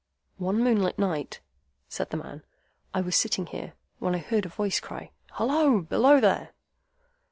"One moonlight night," said the man, "I was sitting here, when I heard a voice cry, 'Halloa! Below there!